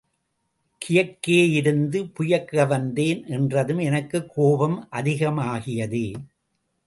கியக்கேயிருந்து புயக்க வந்தேன்—என்றதும் எனக்குக் கோபம் அதிகமாகியது.